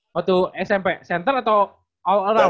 waktu smp center atau all around